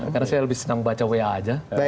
karena saya lebih senang baca wa aja